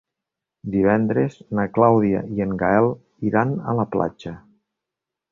Divendres na Clàudia i en Gaël iran a la platja.